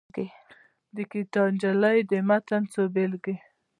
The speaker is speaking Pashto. د ګیتا نجلي د متن څو بېلګې.